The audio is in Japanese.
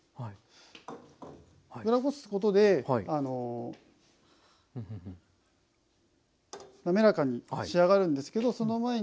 裏ごすことでなめらかに仕上がるんですけどその前に。